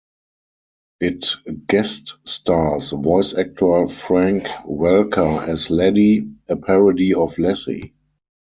It guest stars voice actor Frank Welker as Laddie, a parody of Lassie.